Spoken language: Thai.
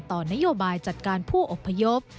นโยบายจัดการผู้อบพยพ